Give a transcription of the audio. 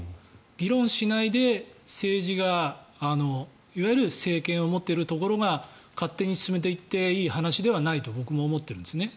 議論しないで政治が、いわゆる政権を持っているところが勝手に進めていっていい話ではないと僕も思ってるんですね。